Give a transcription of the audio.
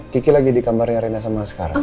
kiki lagi di kamarnya rena sama sekarang